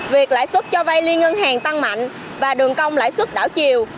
việc lãi suất cho vay liên ngân hàng tăng mạnh và đường công lãi suất đảo chiều